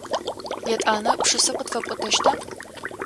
Етӏанэ пшысэ къытфэпӏотэщта?